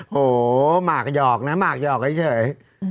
โหมากหยอกนะหมากหยอกเฉย